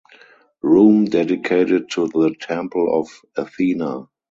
Room dedicated to the temple of Athena.